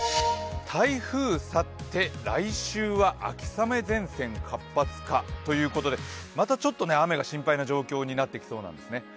台風去って、来週は秋雨前線活発化ということで、またちょっと雨が心配な状況になってきそうなんですね。